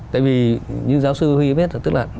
tại vì như giáo sư huy biết tức là